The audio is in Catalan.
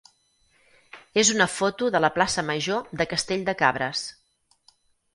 és una foto de la plaça major de Castell de Cabres.